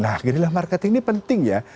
nah jadilah marketing ini penting ya